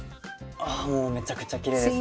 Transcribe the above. あもうめちゃくちゃきれいですね。